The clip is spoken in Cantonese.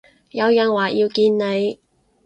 有人話要見你